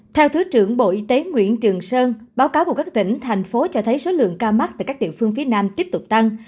theo thứ trưởng bộ y tế nguyễn trường sơn báo cáo của các tỉnh thành phố cho thấy số lượng ca mắc tại các địa phương phía nam tiếp tục tăng